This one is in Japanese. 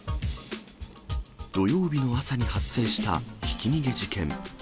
土曜日の朝に発生したひき逃げ事件。